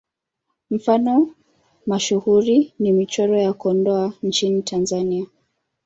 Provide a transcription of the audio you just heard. Mfano mashuhuri ni Michoro ya Kondoa nchini Tanzania.